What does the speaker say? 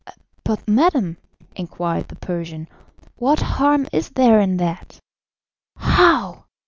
"But, madam," inquired the Persian, "what harm is there in that?" "How!